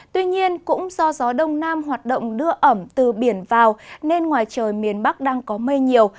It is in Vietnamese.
tuy nhiên cũng do gió đông nam hoạt động đưa ẩm từ biển vào nên ngoài trời miền bắc đang có mây nhiều